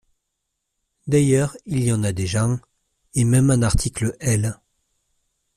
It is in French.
D’ailleurs, il y en a déjà un, et même un article L.